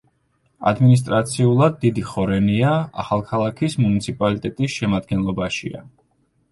ადმინისტრაციულად დიდი ხორენია ახალქალაქის მუნიციპალიტეტის შემადგენლობაშია.